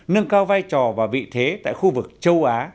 nâng cao vai trò và vị thế tại khu vực châu á